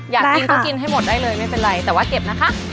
อยากกินก็กินให้หมดได้เลยไม่เป็นไรแต่ว่าเก็บนะคะ